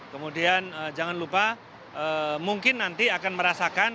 kemudian jangan lupa mungkin nanti akan merasakan